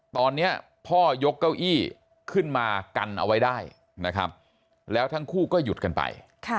ตอนนี้พ่อยกเก้าอี้ขึ้นมากันเอาไว้ได้นะครับแล้วทั้งคู่ก็หยุดกันไป